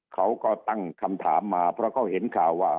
เขาก็ตั้งคำถามมาเพราะเขาเห็นข่าวว่า